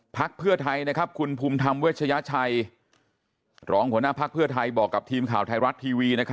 พักเพื่อไทยคุณภูมิธรรมเวชยชัยรองหัวหน้าภักดิ์เพื่อไทยบอกกับทีมข่าวไทยรัฐทีวี